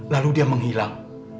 lalu dia menghilang